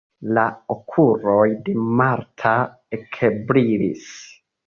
La okuloj de Marta ekbrilis.